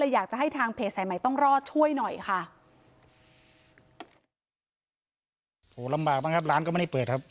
อยากจะให้ทางเพจแสนใหม่ต้องรอดช่วยหน่อยค่ะ